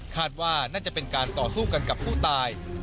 คาดว่าน่าจะเป็นการต่อสู้กันกับผู้ตาย